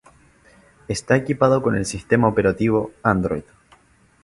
Esta equipado con el sistema operativo Android.